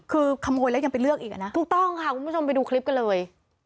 คือขโมยแล้วยังไปเลือกอีกอ่ะนะถูกต้องค่ะคุณผู้ชมไปดูคลิปกันเลย